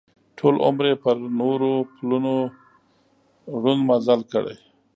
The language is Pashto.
ټول عمر یې پر نورو پلونو ړوند مزل کړی.